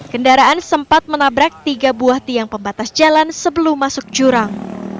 kendaraan sempat menabrak tiga buah tiang pembatas jalan sebelum masuk jurang